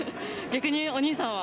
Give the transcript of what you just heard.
逆にお兄さんは？